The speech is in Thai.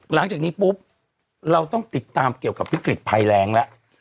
หลังจากนี้ปุ๊บเราต้องติดตามเกี่ยวกับวิกฤตภัยแรงแล้ว